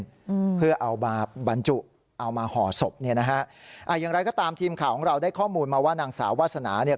อืมเพื่อเอามาบรรจุเอามาห่อศพเนี้ยนะฮะอ่าอย่างไรก็ตามทีมข่าวของเราได้ข้อมูลมาว่านางสาววาสนาเนี่ย